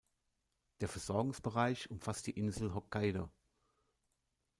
Der Versorgungsbereich umfasst die Insel Hokkaidō.